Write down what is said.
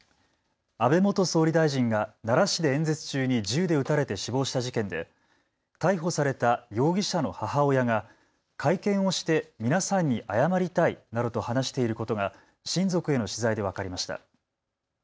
安倍元総理大臣が奈良市で演説中に銃で撃たれて死亡した事件で逮捕された容疑者の母親が会見をして皆さんに謝りたいなどと話していることが親族への取材で分かりました。